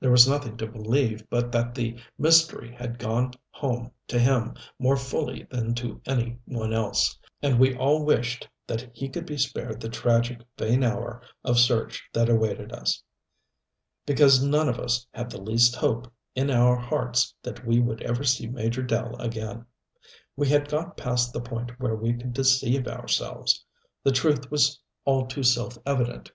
There was nothing to believe but that the mystery had gone home to him more fully than to any one else and we all wished that he could be spared the tragic, vain hour of search that awaited us. Because none of us had the least hope, in our own hearts, that we would ever see Major Dell again. We had got past the point where we could deceive ourselves. The truth was all too self evident.